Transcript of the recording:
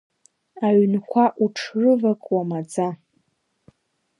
Аҩнқәа уҽрывакуа маӡа.